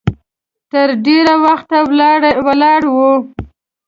تر ډېره وخته ولاړې وي.